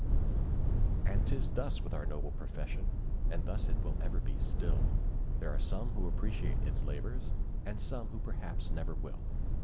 And 'tis thus with our noble profession, and thus it will ever be, still; There are some who appreciate its labors, and some who perhaps never will.